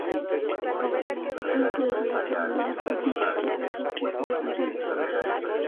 Además, fue incluido en el segundo mejor quinteto de rookies de la temporada.